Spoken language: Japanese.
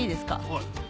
はい。